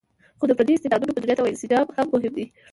خو د فردي استعدادونو مدیریت او انسجام هم مهم دی.